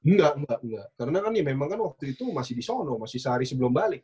nggak nggak nggak karena kan memang kan waktu itu masih di sono masih sehari sebelum balik